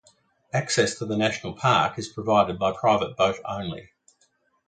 Access to the national park is provided by private boat only.